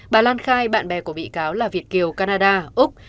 bà lan khai bạn bè của bị cáo là việt kiều canada úc